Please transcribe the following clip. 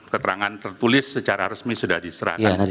keterangan tertulis secara resmi sudah diserahkan